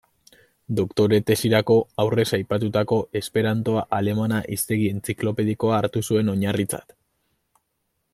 Doktore-tesirako aurrez aipatutako esperantoa-alemana hiztegi entziklopedikoa hartu zuen oinarritzat.